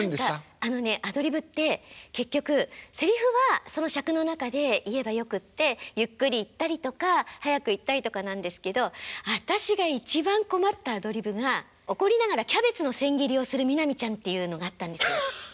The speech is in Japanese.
あのねアドリブって結局せりふはその尺の中で言えばよくってゆっくり言ったりとか速く言ったりとかなんですけど私が一番困ったアドリブが怒りながらキャベツの千切りをする南ちゃんっていうのがあったんです。